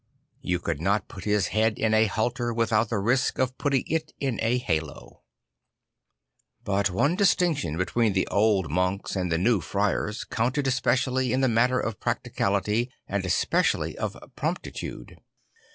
You could not put his head in a halter without the risk of putting it in a halo. Cfhe Cfhree Orders 119 But one distinction between the old monks and the new friars counted especially in the matter of practicality and especially of promptitude.